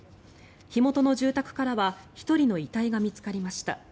火元の住宅からは１人の遺体が見つかりました。